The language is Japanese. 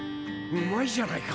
うまいじゃないか！